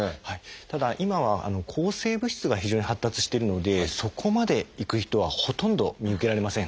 ただ今は抗生物質が非常に発達してるのでそこまでいく人はほとんど見受けられません。